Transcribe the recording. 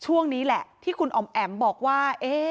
ช่วงนี้แหละที่คุณอ๋อมแอ๋มบอกว่า